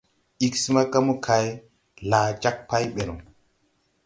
Ig smaga mokay, laa jag pay ɓɛ no.